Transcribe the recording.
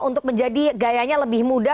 untuk menjadi gayanya lebih muda